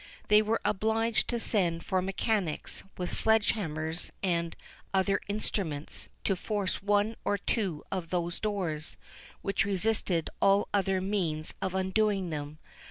They were obliged to send for mechanics, with sledge hammers and other instruments, to force one or two of those doors, which resisted all other means of undoing them.